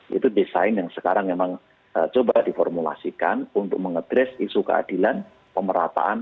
itu desain yang sekarang memang coba diformulasikan untuk mengadres isu keadilan pemerataan